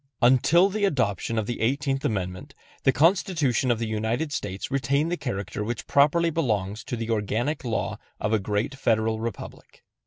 Until the adoption of the Eighteenth Amendment, the Constitution of the United States retained the character which properly belongs to the organic law of a great Federal Republic.